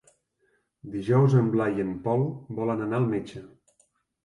Dijous en Blai i en Pol volen anar al metge.